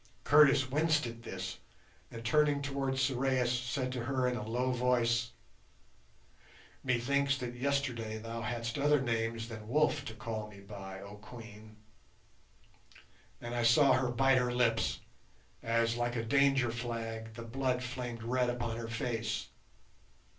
Curtis winced at this, and turning towards Sorais, said to her in a low voice, "Methinks that yesterday thou hadst other names than wolf to call me by, oh Queen!" and I saw her bite her lips as, like a danger flag, the blood flamed red upon her face.